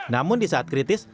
namun di saat kritis